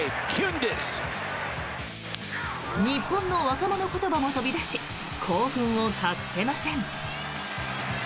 日本の若者言葉も飛び出し興奮を隠せません。